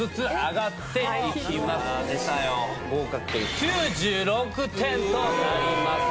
合格点９６点となります。